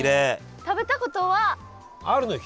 食べたことは？